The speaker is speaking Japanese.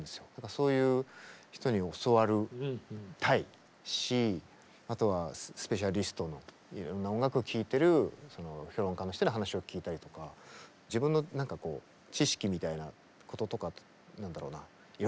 そういう人に教わりたいしあとはスペシャリストのいろんな音楽を聴いてる評論家の人に話を聞いたりとか自分の知識みたいなこととかみたい